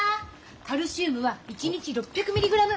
カルシウムは一日６００ミリグラム。